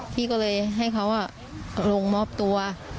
พี่ก็เลยให้เขาลงมอบตัว